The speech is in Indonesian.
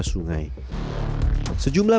masang peti juga tepay